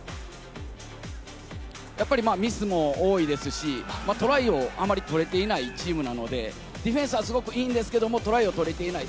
やっぱりミスも多いですし、トライをあまり取れていないチームなので、ディフェンスはすごくいいんですけれども、トライを取れていない。